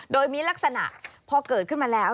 โดยมีลักษณะพอเกิดขึ้นมาแล้ว